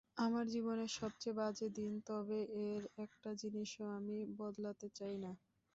আমার জীবনের সবচেয়ে বাজে দিন, তবে এর একটা জিনিসও আমি বদলাতে চাই না।